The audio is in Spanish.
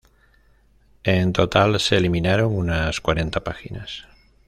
En total se eliminaron unas cuarenta páginas.